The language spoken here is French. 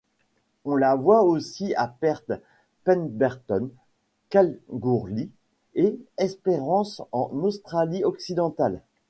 On la voit aussi à Perth, Pemberton, Kalgoorlie et Esperance, en Australie-Occidentale.